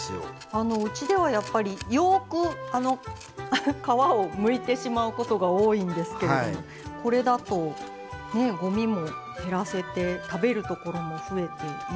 あのうちではやっぱりよく皮をむいてしまうことが多いんですけれどもこれだとねえごみも減らせて食べるところも増えていいですね。